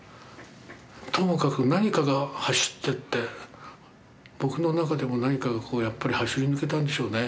ともかく何かが走ってって僕の中でも何かがこうやっぱり走り抜けたんでしょうね。